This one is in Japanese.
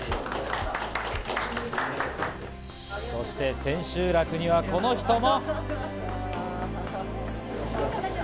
そして、千秋楽にはこの人も。